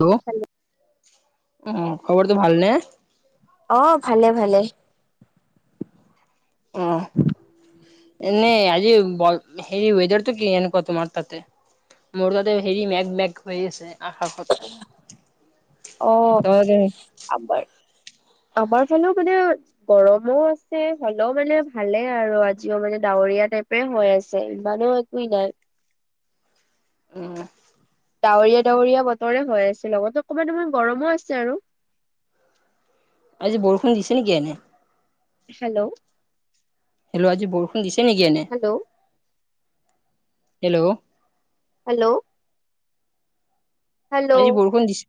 Hello অহ খবৰটো ভাল নে। অ ভালে ভালে। আহ। ন আজি হেৰি ৱদাৰটো কি এনেকুৱা তোমাৰ তাতে। মোৰগাতে হেৰি মেঘ মেগ হৈ আছে। আকাশত অ তহঁতে আবাৰ। আমাৰ ফালেও মানে গৰমো আছে হলেেও মানে ভালে আৰু আজিও মানে ডাৱৰ। ৰীয়া টাইপে হৈ আছে ইমানো একোৱ নাই। উ। ডাৱৰীয়া ডাৱৰীয়া বতৰে হৈ আছে লগত অকণমান অাৰ গৰমো আছে আৰু।। আ যেি বৰষুণ দিছে নেকি এনে। হেল্ল'। হেল্ল' আজি বৰষুণ দিছে নেকি এনে। Hello hello. হেল্ল'। হেল্ল' আজি বৰষুণ দিছে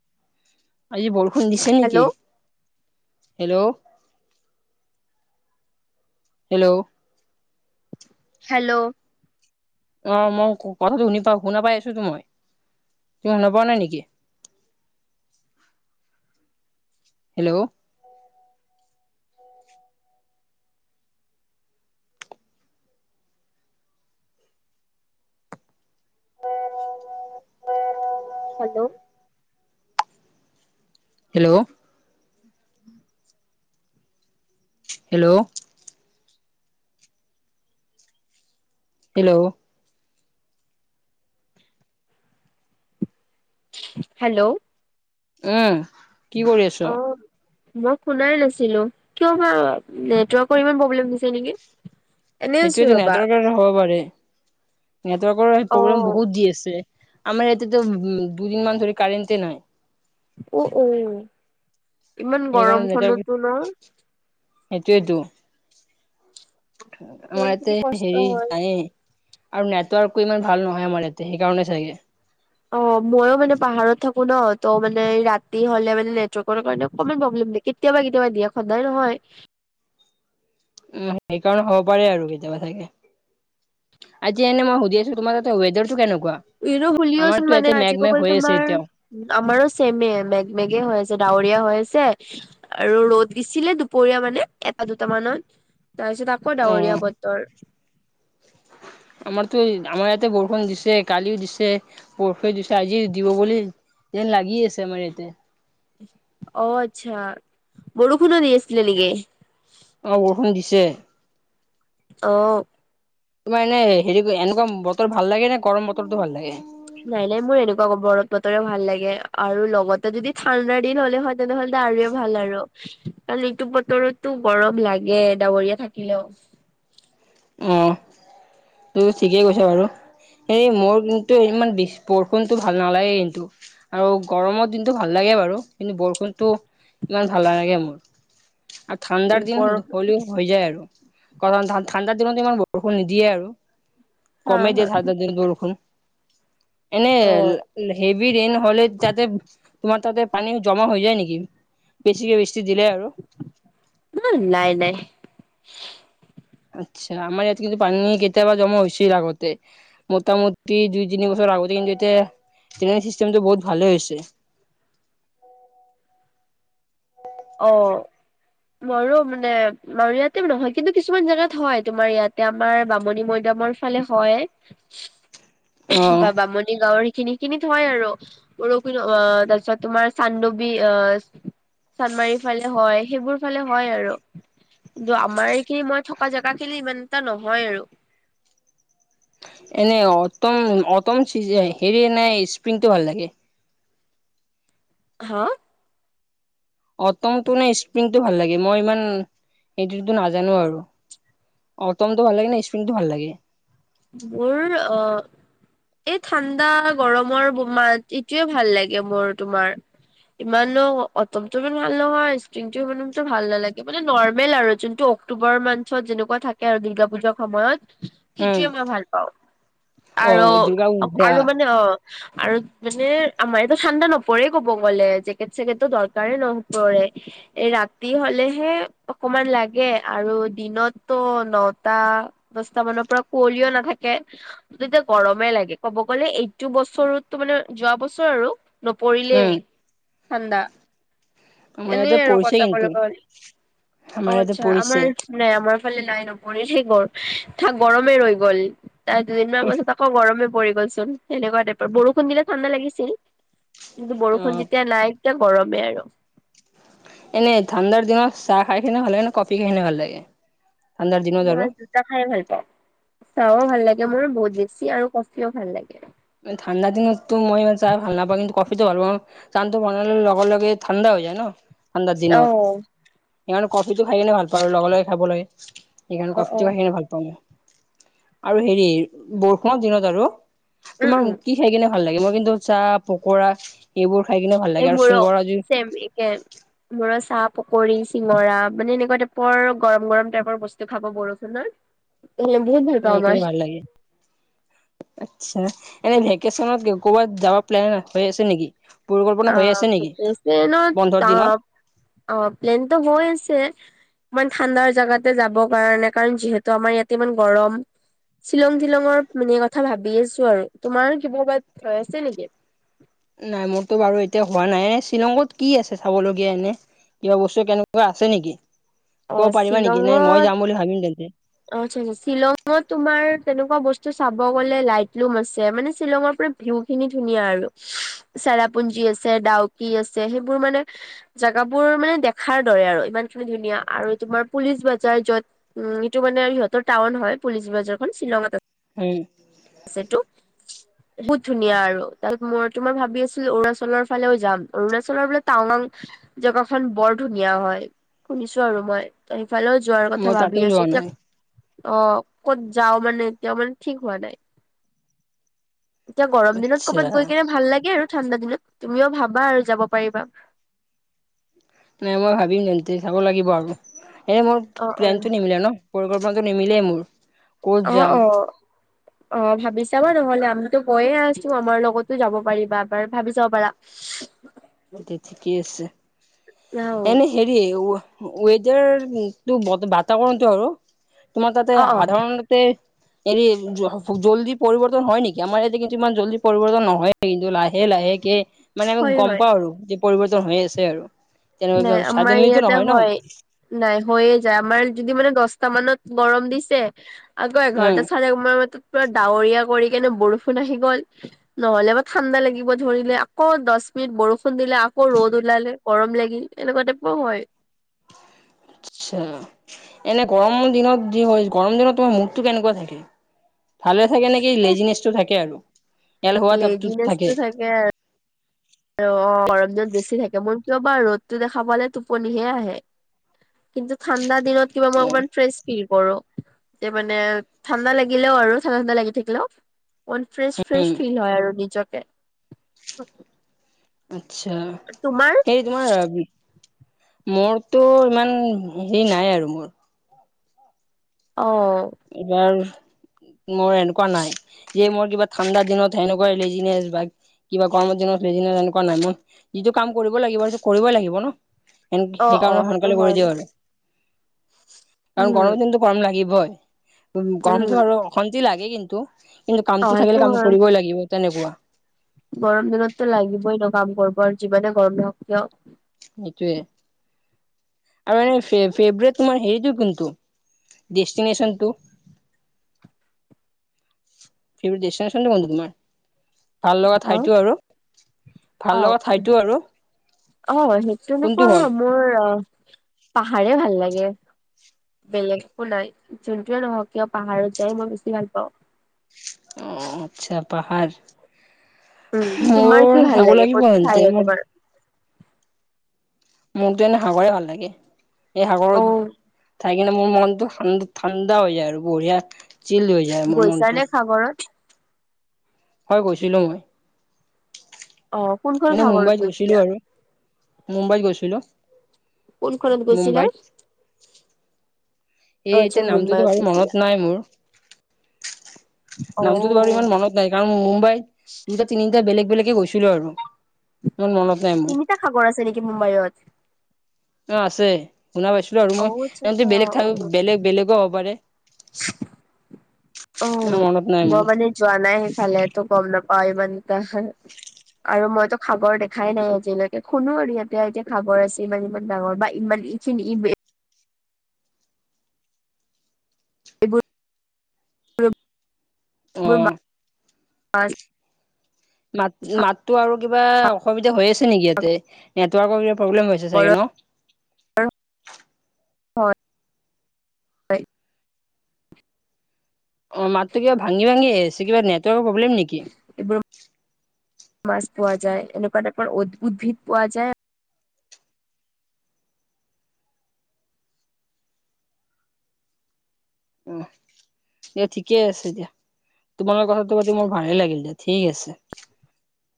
আজি বৰষুণ দিছে নেকি। Hello hello. হেল্ল'। হেল্ল'। অ মই কথাটো শুনি পা শুনা পাই আছোতো মই তুমি শুনা পোৱা নাই নেকি। ? হেল্ল'। উ অ উ। হেল্ল'। হেল্ল'। উম। হেল্ল'। হেল্ল'। হেল্ল'। আহম কি কৰি অ আছ। মই শুনাই নাছিলো কিয় নেটৱৰ্কৰ ইমান প্ৰব্লেম দি নেকি। এনেই আছো সেইটোোৱয়েতো ৰবা নেটৱৰ্কৰ হ'ব পাৰে নেটৱৰ্কৰ অ প্ৰব্লেম বহুত দি আছে। আমাৰ ইয়াতেতো উ দুদিন মমান ধৰি কাৰণ্টে নাই। উ উ ইমান গৰমখনতো ন। সেইটোয় সেইটো। কিমান আমাৰ খিনি ইতে কষ্ট হেৰি হয় নায়ে। আৰু নেটৱৰ্কো ইমান ভাল নহয় আমাৰ ইয়াতে সেইকাৰণে চাগে। অ। ময়ো মানে পাহাৰত থাকো ন ত মানে ৰাতি হলে মানে নেটৱৰ্কৰ কাৰণে অকমান প্ৰব্লেম ন কেতিয়। া কেতিয়াবা দিয়ে সদায় নহয়। উম সেইকাৰণে হ'ব পাৰে আৰু কেতিয়াবা থাকে। আজি এনে মই শুধিয় আছো তমাৰ ত েধৰ তু কে ন। ইো বওচোন মানে আজি কব হৈ আছে এতিয়াও তোমাৰ আমাৰো চছেমে মেঘমেগে হৈ আছে ড ডাৱৰীয়া হৈ আছে আৰু ৰ'দ দিছিলে দুপৰীয়া মানে এটা দুট মানত তাৰপিছত আকৌ অ ডাৱৰীয়া বতৰ আমাৰতো আমাৰ ইয়াতে বৰষুণ দিছে কালিও দিছে বৰষু দিছে আজি দিব বুলি। তে লাগি আছে আমাৰ এতিয়া, অ আচ্ছা বৰষুণো দি আছিলে নেকি? অ' বৰষুণ দিছে। অ' তোমাৰ এনে হেৰি এনেকুৱা বতৰ ভাল লাগে নে গৰম বতৰটো ভাল লাগে নাই নাই মোৰ এনেকুৱা ক বদ বতৰে ভাল লাগে আৰু লগতে যদি ঠাণ্ডা দিন হলে হয় তেনেহ'লে আৰুৱে ভাল আৰু কাৰণ এইটো বতৰতো গৰম লাগে ডাৱৰীয়া থাকিলেও [unintelligible] অ তু ঠিকেই কৈছা বাৰু এই মোৰ কিন্তু ইমান বিচ বৰষুণতটো ভাল নালাগে কিন্তু আৰু গৰমত দিনটো ভাল লাগে কে বাৰু কিন্তু বৰষুণতটো ইমান ভাল নালাগে মোৰ আৰু ঠাণ্ডাৰ দিন ওপৰ হ'লও হৈ যায় আৰু কৰণ ঠ ঠাণ্ডা দিনত ইমান বৰষুণ নিদিয়ে আৰু হা কমেই হা দিয়ে ঠাণ্ডা দিনত বৰষুণ এনে অ হেভি ৰেইন হলে যাতে তোমাৰ তাতে পানী জমা হৈ যায় নিকি বেছিকে বেছি দিলে আৰু। উম নাই নাই আচ্ছা আমাৰ ইয়াত কিন্তু পানী কেতিয়াবা জমা হৈছিল আগতে মোটামুটি দুই তিনি বছৰ আগতে কিন্তু এতিয়া ট্ৰেইং চিষ্টেমটো বহুত ভালে হৈছে [inaudible] অ মৰো মানে আৰু ইয়াতে নহয় কিন্তু কিছুমান জেগাত হয় তোমাৰ ইয়াতে আমাৰ বামনী মৈদাম আমাৰ ফালে হয় অ' বা বামণি গাঁওৰ সে খিনি হেখিনি হয় আৰু বৰষুণ অ তাৰ পিছত তোমাৰ চান্দৱী অহ চান্দমাৰীৰ ফালে হয় সেইবোৰ ফালে হয় আৰু কিন্তু আমাৰ এইখিনি মই থকা জেগা খিনি ইমান এটা নহয় আৰু এনেই অটম অটম চিজি হেৰি নে স্প্ৰিংটো ভাল লাগে হা অটমটো নে স্প্ৰিংটো ভাল লাগে মই ইমান সেটোতো নাজানো আৰু অতমটো ভাল লাগে নে স্পিৰিংটো ভাল লাগে মোৰ অহ এই ঠাণ্ডা গৰমৰ মাত এইটোৱে ভাল লাগে মোৰ তোমাৰ ইমানো অটম টো ইমান ভাল নহয় ষ্ট্ৰিং টো ইমান ভাল নালাগে মানে নৰ্মেল আৰু যোনটো অক্টোবৰ মানচত যেনেকুৱা থাকে আৰু দুৰ্গা পুজাৰ সময়ত উম, সেইটোৱে মই ভাল পাওঁ অ' আৰ দুৰ্গা পূজা আৰু মানে অ আৰু মানে আমাৰ এইটো ঠাণ্ডা নপৰে কব গ'লে জেকেট চেকেটটো দৰকাৰে নপৰে এ ৰাতি হলেহে অকমান লাগে আৰু দিন ত নটা দস্তা মানৰ পৰা কুঁৱলিও নাথাকে তেতিয়া গৰমে লাগে ক'ব গ'লে এইটো বছৰতো মানে যোৱা বছৰ আৰু নপৰিলেই উম, ঠাণ্ডা আমাৰ এনেই ইয়াতে আৰু পৰিছে কিন্তু। কথাকলকণ অ আমাৰ ইয়াতে আচ্ছা পৰিছে আমাৰ নেই আমাৰ ফালে নাই নপৰিল সেই গ থাক গৰমে ৰৈ গ'ল তাই দুদিনমান পাছত আকৌ গৰমে পৰি গ'ল চোন সেনেকুৱা টাইপৰ বৰষুণ দিলে ঠাণ্ডা লাগিছিল কিন্তু বৰষুণ অ'। যেতিয়া নাই তে গৰমেই আৰু এনেই ঠাণ্ডাৰ দিনত চাহ খাই কিনে ভাল লাগে নে কফি খাই কিনে ভাল লাগে ঠাণ্ডাৰ দিনত আৰু? মই দুটা খাইয়ে ভাল পাওঁ চা ও ভাল লাগে মোৰ বহুত বেছি আৰু কফিও ভাল লাগে ঠাণ্ডা দিনতো মই চাহ ভাল নাপাওঁ কিন্তু কফিতো ভাল পাওঁ চা টো বনালে লগে লগে ঠাণ্ডা হৈ যায় ন ঠাণ্ডাৰ অ' দিনত সেইকাৰণে কফিটো খাই কিনে ভাল পাও লগে লগে খাব লাগে সেইকাৰণে অ' অ' কফিটোহে ভাল পাওঁ মই আৰু হেৰি বৰষুণৰ দিনত আৰু উম তোমাক উম কি খাই কিনে ভাল লাগে মই কিন্তু চাহ পকৰা এইবোৰ খাই কিনে ভাল এ লাগে আৰু মো ৰ চিংগৰা জুই ফেব্ৰিকেন মো ৰ চা পকৰী চিঙৰা মানে এনেকুৱা টাইপৰ গৰম গৰম টাইপৰ বস্তু খাব বৰষুনত ম এইখিনি ভাল লাগে আচ্ছা এনে ভেকেচনত ক'বাত যাব প্লেন হৈ আছে নিকি অছে ন ত বন্ধৰ দিনত অ প্লেনটো হৈ আছে মান ঠাণ্ডাৰ জেগাতে যাব কাৰণে কাৰণ যিহেতু আমাৰ ইয়াতে ইমান গৰম শ্বিলং টিলঙৰ মানে কথা ভাবি আছো আৰু তোমাৰো কিহবাত হৈ আছে নেকি নাই মোৰতটো বাৰু এতিয়া হোৱা নাই এ শ্বিলংত কি আছে চাবলগীয়া এনে কিবা বস্তু কেনেকুৱা আছে নেকি কব পাৰিবা নেকি নে মই যাম বুলি ভাবিম তেন্তে আ্ছা আচ্ছা শ্বিলঙত তুমাৰ তেনেকুৱা বস্তু চাব গলে লাইটলুম আছে মানে শ্বিলঙৰ ভিউ খিনি ধুনীয়া আৰু চেৰাপুঞ্জী আছে ডাউকি আছে সেইবোৰ মানে জেগাবোৰ মানে দেখাৰ দৰে আৰু ইমান খিনি ধুনীয়া আৰু তোমাৰ পুলিচ বজাৰ যত উ টো মানে সিহঁত টাউন হয় পুলিচ বজাৰখন শ্বিলঙত আছে উম আছেটো বহুত ধুনীয়া আৰু তাত মই তো মই ভাবি আছিলো অৰুণাচলৰ ফালেও যাম অৰুণাচলৰ বোলে টাৱঙাং জেগা খন বৰ ধুনীয়া হয় শুনিছো আৰু মই তেই ইফালেও যোৱাৰ মই কথা তাতো ভাবি আছো যোৱা এতিয়া নাই অ ক'ত যাও মানে এতিয়াও মানে ঠিক হোৱা নাই এতিয়া গৰম দিনত আচ্ছা কৰ'বাত গৈ কেনে ভাল লাগে আৰু ঠাণ্ডা দিনত তুমিও ভাবা আৰু যাব পাৰিবা নাই মই ভাবিম তেন্তে চাব লাগিব আৰু এ মোৰ অ অ প্লেনটো নিমিলে ন পৰিকল্পনাটো নিমিলেই মোৰ ক'ত অ যাম অ অ ভাবি চাবা নহলে আমিতো গৈয়ে আছো আমাৰ লগতো যাব পাৰিবা এবাৰ ভাবি চাব পাৰা [inaudible] দে ঠিকে আছে অ এনেই হেৰি ৱেডাৰটো বাতাবৰণটো আৰু তোমাৰ তাতে অ সাধাৰণতে এৰি জল্দি পৰিৱৰ্তন হয় নেকি আমাৰ ইয়াতে কিন্তু ইমান জল্দি পৰিৱৰ্তন নহয় কিন্তু লাহে লাহে লাহেকে মানে আমি হয় গম হয় পাওঁ আৰু যে পৰিৱৰ্তন হৈ আছে আৰু তেনেকুৱা নাই আমাৰ চাডেনলিটো ইয়াতে নহয় ন হয় নাই হৈয়ে যায় আমাৰ যদি মানে দহ স্তা মানত গৰম দিছে আকৌ উম এঘাৰটা চাৰে মানত পুৰা ডাৱৰীয়া কৰি কেনে বৰষুণ আহি গ'ল নহলেবা ঠাণ্ডা লাগিব ধৰিলে আকৌ দহ মিনত বৰষুণ দিলে আকৌ ৰ'দ ওলালে গৰম লাগিল এনেকুৱা টাইপোও হয় আচ্ছা এনে গৰম দিনত যি হয় গৰম দিনত তোমাৰ মূডটো কেনেকুৱা থাকে ভালে থাকে নেকি লেজিনেছটো থাকে আৰু এলহুৱা তাইপটো থাকে অ অ গৰম দিনত বেছি থাকে মোৰ কিয় বা ৰ'দতটো দেখা পালে টোপনিহে আহে কিন্তু ঠাণ্ডা দিনত কিবা মই অকণমান ফ্ৰেছ ফি কৰ এয়া মানে ঠাণ্ডা লাগিলেও আৰু ঠাণ্ডা ঠাণ্ডা লাগি থাকিলে অ ম ফ্ৰেচ ফ্ৰেচ উম ফিল হয় আৰু নিজকে আত্ছা তোমাৰ হেৰি তোমাৰ মোৰতো ইমান হেৰি নাই আৰু মোৰ অ এইবাৰ মোৰ এনেকুৱা নাই যে মোৰ কিবা ঠাণ্ডা দিনত সেনেকুৱা লেজিনেছ বা কিবা গৰমত দিনত লেজীনেচ তেনেকুৱা নাই মই যিটো কাম কৰিব লাগিব সেইটো কৰিবই লাগিব ন ন অ অ সেইকাৰণে সেইটো সোনকালে কৰি হয় দিয় আৰু কাৰণ উম গৰমদিনতটো গৰম লাগিবই উ উম গৰমটো আৰু অশান্তি লাগে কিন্তু কিন্তু অ কামটো সেইটো থাকিলে কাম হয় কৰিবই লাগিব আৰু তেনেকুৱা গৰম দিনততো লাগিবই ন কাম কৰিব আৰু যিমানে গৰম নহওক কিয় সেইটোৱে আৰু ফেভৰেট তোমাৰ হেৰিটো কিন্তু ডেষ্টিনেচনটো [inaudible] [unintelligible] ভাল লগা অ ঠাইতো আৰু ভাল অ লগা ঠাইতো আৰু অ সেইটো নক কোনটো হয় মোৰ পাহাৰে ভাল লাগে বেলেগো নাই যোনটোোৱে নহওক কিয় পাহাৰত যাই মই বেছি ভাল পাওঁ অ আচ্ছা পাহাৰ উম তোমাৰ কি মোৰ ভাল চাবু লাগে লাগি কোনটো ঠাই পন্তে হয় ম তোমাৰ মোৰতো এনে সাগৰে ভাল লাগে এই সাগৰ অ থাই কিনে মোৰ মনটো ঠা ঠাণ্ডা হৈ যায় আৰু বঢ়িয়া চিল হৈ যায় মাৰ গৈছা নে মনটো সাগৰত হয় গৈছিলো মই অ কোনখন এনেই সাগৰত মুম্বাইত গৈছিলো গৈছিলা? আৰু মুম্বাইত গৈছিলো কোনখনত গৈছিলাম মুম্বাইত এই এতিয়া নামটোতো ভাৰি মনত নাই মোৰ অ নামটোতো বাৰু ইমান মনত নাই কাৰণ মুম্বাইত দুটা নি এতিয়া বেলেগ বেলেগে গৈছিলো আৰু ইমান মনত নাই মই কি মুম্বাই অত অ আছে শুনা পাইছিলো আৰু অ আচ্ছা আচ্ছা মই অ বেলেগ অ ঠাই বেলেগ বেলেগও হ'ব পাৰে [unintelligible] উ অ মনত নাই মই মোৰ মানে যোৱা নাই সেইফালেেতো গম নাপাও ই মমান ত আৰু মইতো খাগৰ দেখাই নাই আজিলৈকে শুনো আৰু এতিয়া এতিয়া খাগৰ আছে ইমান ইমান ডাঙৰ বা ইমান চিন এইবোৰ আহ হয় মাত মাততো আৰু কিবা অসুবিধা হৈ আছে নেকি ইয়াতে নেটৱৰ্ প্ৰব্লেম হৈছে চাগে ন হয় হয় অ মাতত কিবাঙি ভাঙি আহ আছে কিবা নেটৱৰ্কৰ প্ৰব্লেম নেকি এইবোৰ মাছ পোৱা যায় এনেকুৱাাৰ অদ্ভুত ভদ পোৱা যায় এি ক আছেতিয়া তোমালোকৰ কথাটো পাতি মোৰ ভালেই লাগিল যে ঠিক আছে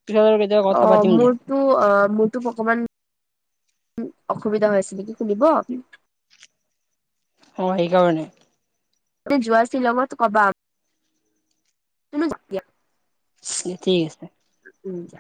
পিছত আৰু কেতিয়াবা অ কথা পাতিম দিয়া মোৰতো অ মোৰতো অকমান উ অসুবিধা হৈ হৈছে নেকি কনিব আপ অই কাৱনেে যোৱা শ্বিলঙত কবা তুনিয়য়া ঠিক আছে উ য